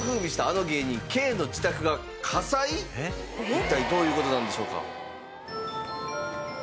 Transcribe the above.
一体どういう事なんでしょうか？